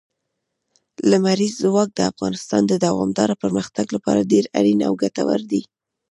لمریز ځواک د افغانستان د دوامداره پرمختګ لپاره ډېر اړین او ګټور دی.